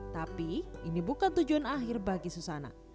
tapi ini bukan tujuan akhir bagi susana